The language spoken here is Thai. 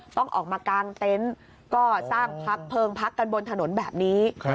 ต้องออกมากางเต็นต์ก็สร้างพักเพลิงพักกันบนถนนแบบนี้